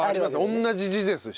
同じ字ですし。